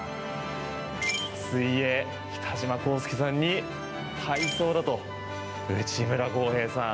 水泳、北島康介さんに体操だと内村航平さん。